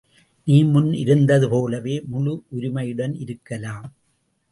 நீ முன் இருந்ததுபோலவே முழு உரிமையுடன் இருக்கலாம்.